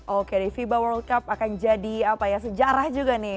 oke di fiba world cup akan jadi apa ya sejarah juga nih